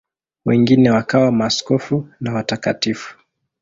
Wengine wakawa maaskofu na watakatifu.